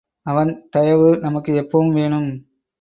அவன் தயவு நமக்கு எப்பவும் வேணும்.